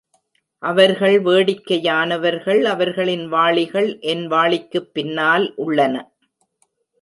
அவர்கள் வேடிக்கையானவர்கள், அவர்களின் வாளிகள் என் வாளிக்குப் பின்னால் உள்ளன.